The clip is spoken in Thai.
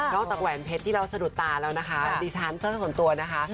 จากแหวนเพชรที่เราสะดุดตาแล้วนะคะดิฉันส่วนตัวนะคะ